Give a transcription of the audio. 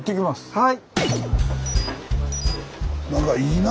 はい。